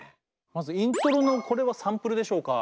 まずイントロのこれはサンプルでしょうか？